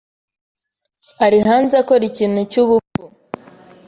ari hanze akora ikintu cyubupfu.